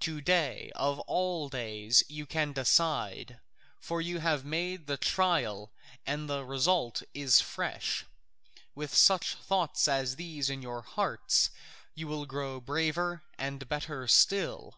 To day of all days you can decide, for you have made the trial and the result is fresh. With such thoughts as these in your hearts you will grow braver and better still.